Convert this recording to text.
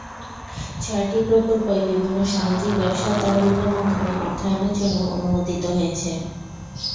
ছয়টি প্রকল্পই বিভিন্ন সামাজিক ব্যবসার তহবিলের মাধ্যমে অর্থায়নের জন্য অনুমোদিত হয়েছে।